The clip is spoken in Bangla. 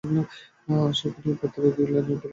আশা করি এই পত্রের উত্তরে দু লাইন লেখবার সময় পাবেন।